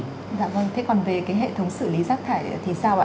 vâng dạ vâng thế còn về cái hệ thống xử lý rác thải thì sao ạ